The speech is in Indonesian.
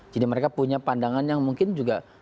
jadi mereka punya pandangan yang mungkin juga